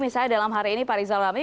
misalnya dalam hari ini pak rizal ramli